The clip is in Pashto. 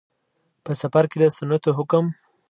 په. سفر کې د سنتو حکم